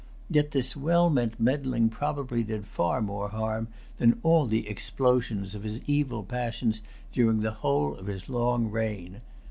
Yet this well meant meddling probably did far more harm than all the explosions of his evil passions during the whole of his long reign.